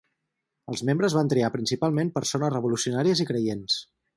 Els membres van triar principalment persones revolucionàries i creients.